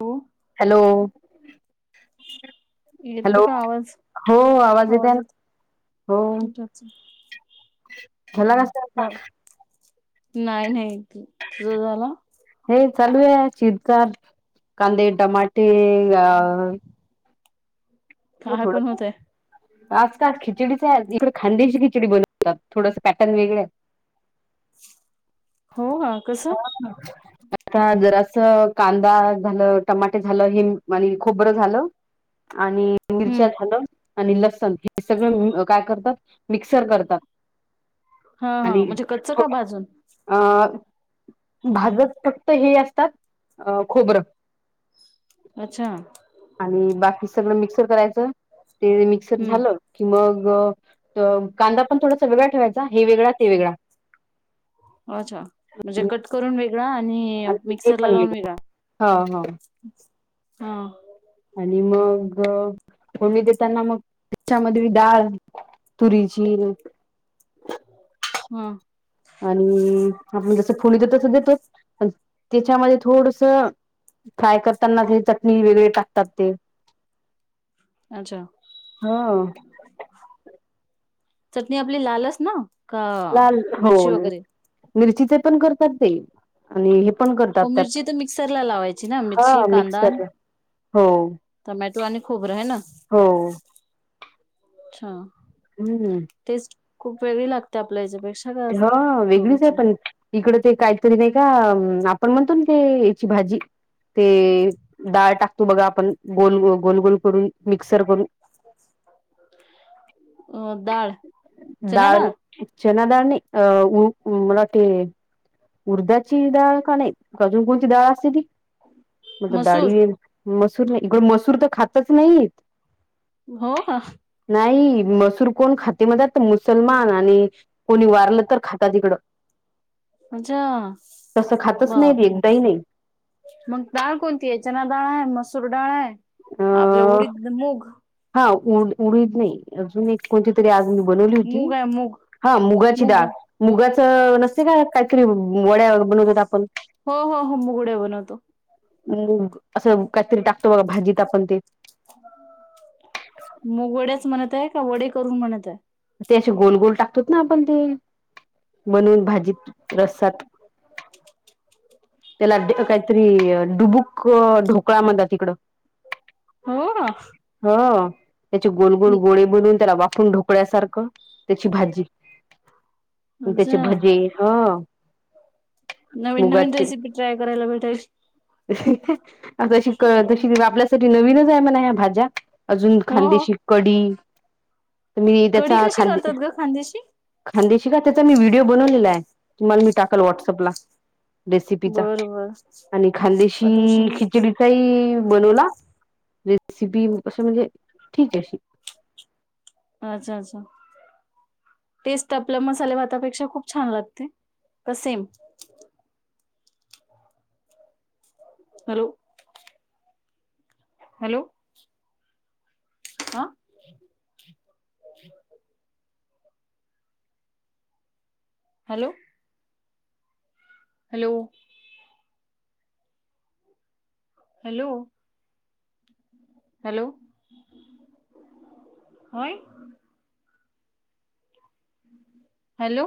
हो हॅलो येतोय हॅलो का आवाज हो आवाज येत आहे ना हो येतो झाला नस का नाही नाही तुझं झाला हे चालू आहे शिजचा कांदे टमाटे अ हे काय पण थोडं होतय आज का खिचडीच आहे आहेत इकडे खांदेशी खिचडी बनवतात थोडंसं पॅटर्न वेगळे [unintelligible] हो ह कस हम आता जर असं कांदा झालं टमाणटे झालं हिम म्ह खोबरं झालं आणि हम्म मिरच्यात हलं आणि लसण हे सगळं काय करतात मिक्सर करतात हा हा आणि म्हणजे कच्च का थोडं बाजून अ भाजत फक्त हे असतात अ खोबरं अच्छा आणि बाकी सगळं मिक्सर करायचं ते मिक्सर हम्म झालं कि मग कांदा पण थोडासा वेगळा ठेवायचा हे वेगळा ते वेगळा. अच्छा म्हणजे कट करून वेगळा आणि मिक्सर ला लावून वेगळा. हो हो हा आणि मग फोडणी देताना मग त्याच्यामध्ये बी डाळ तुरीची न हा. आणि आपण जसं फोडणी देतो तस देतो पण त्याच्यामध्ये थोडस फ्राय करताना हे चटणी वेगळे टाकतात ते. अच्छा ह चटणी आपली लालस न? का लाल हो मिरची वगैरे मिरचीचे पण करतात ते आणि हे पण करतात हो त्यात मिरची तर मिक्सरला लावायची ना हा मिरची कांदा मिक्सर हो टोमॅटो आणि खोबर हे न? हो अच्छा हम्म टेस्ट खूप वेगळी लागते आपल्या याच्यापेक्षा. का हा वेगळीच आहे पण इकडं ते काहीतरी नाही का आपण म्हणतो न ते याची भाजी. ते डाळ टाकतो बघा आपण गोल गोलगोल करून मिक्सर करून. अ डाळ चना डाळ? चना डाळ नाही. अ उ मला वाटते? उर्धाची डाळ का नाही अजून कोणती डाळ असते ती? मग मसूर डाळी मसूर नाही इकड मसूर तर खातच नाहीत. हो का नाही मसूर कोण खातेमध्ये त मग मुसलमान आणि कोणी वा लं तर खाता तिकड अच्छा तस खातच नाही बाप एकदाही नाही. मग डाळ कोणती आहे चना डाळ आहे. मसूर डाळ, आहे आपलं अ उडीत, मूग. हा उड उडीद नाही अजून एक कोणती तरी आज मी बनवली होती मूग आहे मूग हा मुगाची मूग डाळ. आहे. मुगाचं नसते का काहीतरी वड्या बनवतात आपण. हो हो हो मूगडे बनवतो. मुंग असं काहीतरी टाकतो बघा भाजीत आपण ते मग वड्याच म्हणत आहे. का वडे करून म्हणत आहे? ते असे गोल गोल टाकतो ना आपण ते बनून भाजीत रसात. त्याला काहीतरी डुबुक ढोकळा म्हणतात तिकडं. हो हा त्याचे गोल गोल गोळे बनून त्याला वाकून ढोकळ्यासारखं त्याची भाजी. त्याचे अच्छा भजे ह नवीन नवीन मुगाचे रेसिपी ट्राय करायला भेटायाचे. तशी क तशी आपल्यासाठी नवीनच आहे म्हणा ह्या भाज्या. अजून हो हो. खांदेशी कडी. तर मी कढी त्याचा कशी खदे करतात ग खांद्याशी खांदे शिक का त्याचा मी व्हिडिओ बनवलेला आहे तुम्हाला मी टाकाल व्हॉट्सअपला रेसि चा बरं बर आणि खांदेशी पाठवशी खिचडी काही बनवला रेसिपी असं म्हणजे ठीक आहे अशी अच्छा अच्छा टेस्ट आपल्या मसाले भातापेक्षा खूप छान लागते त सेम हॅलो हॅलो हा हॅलो हॅलो हॅलो हॅलो हय हॅलो